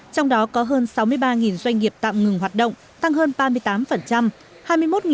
trong đó có hơn sáu mươi ba doanh nghiệp tạm ngừng hoạt động tăng hơn ba mươi tám